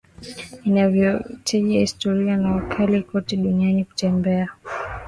inayovutia wanahistoria na watalii kote duniani kutembelea